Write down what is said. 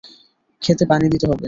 ক্ষেতে পানি দিতে হবে।